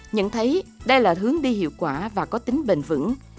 nhận thấy đây là hướng đi hiệu quả và có tính bền vững